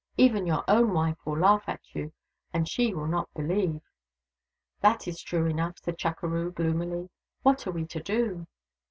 Even your own wife will laugh at you, and she will not believe." " That is true enough," said Chukeroo gloomily. "What are we to do